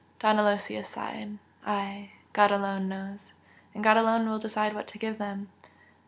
Don Aloysius sighed. "Aye! God alone knows! And God alone will decide what to give them!"